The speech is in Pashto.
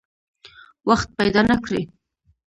وخت پیدا نه کړي.